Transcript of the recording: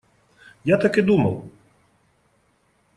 Я так и думал!